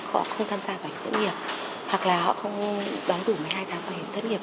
họ không tham gia vào hiểm doanh nghiệp hoặc là họ không đón đủ một mươi hai tháng vào hiểm doanh nghiệp